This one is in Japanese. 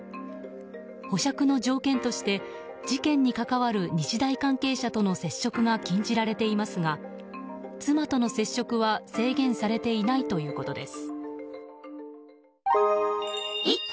保釈の条件として、事件に関わる日大関係者との接触が禁じられていますが妻との接触は制限されていないということです。